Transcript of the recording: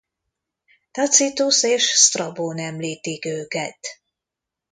Tacitus és Sztrabón említik őket.